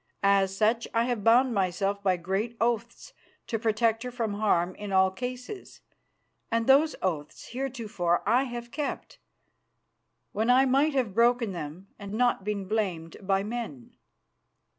As such I have bound myself by great oaths to protect her from harm in all cases, and those oaths heretofore I have kept, when I might have broken them and not been blamed by men.